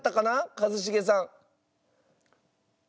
一茂さん。